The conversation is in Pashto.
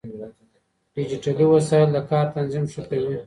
ډيجيټلي وسايل د کار تنظيم ښه کوي.